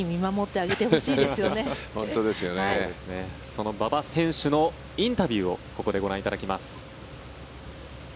その馬場選手のインタビューをここでご覧いただきます。